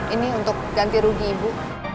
ini untuk ganti rugi ibu